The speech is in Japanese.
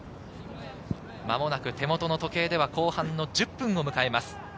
間もなく手元の時計では後半１０分を迎えます。